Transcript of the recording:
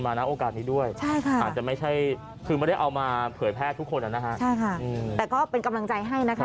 มาเผยแพทย์ทุกคนแล้วนะคะใช่ค่ะแต่ก็เป็นกำลังใจให้นะคะ